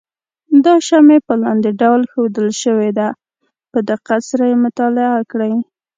دا شمې په لاندې ډول ښودل شوې ده په دقت سره یې مطالعه کړئ.